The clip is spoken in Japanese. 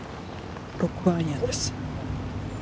６番アイアンです。